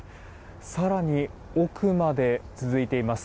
更に奥まで続いています。